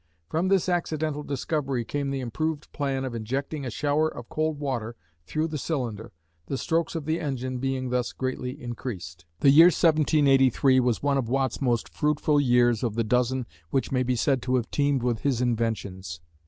From this accidental discovery came the improved plan of injecting a shower of cold water through the cylinder, the strokes of the engine being thus greatly increased. The year 1783 was one of Watt's most fruitful years of the dozen which may be said to have teemed with his inventions.